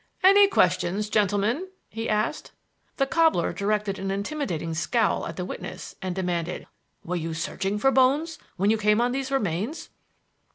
"Any questions, gentlemen," he asked. The cobbler directed an intimidating scowl at the witness and demanded: "Were you searching for bones when you came on these remains?"